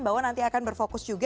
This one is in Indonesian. bahwa nanti akan berfokus juga